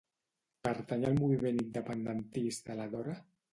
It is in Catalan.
Pertany al moviment independentista la Dora?